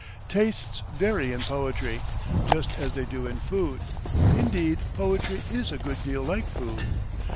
Tastes vary in poetry, just as they do in food. Indeed, poetry is a good deal like food.